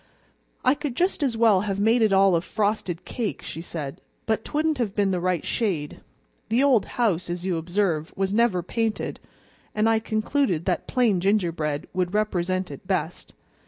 "I could just as well have made it all of frosted cake," she said, "but 'twouldn't have been the right shade; the old house, as you observe, was never painted, and I concluded that plain gingerbread would represent it best.